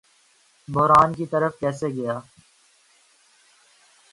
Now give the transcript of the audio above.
بحران کی طرف کیسے گیا